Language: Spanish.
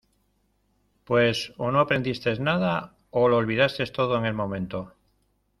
pues o no aprendiste nada, o lo olvidaste todo en el momento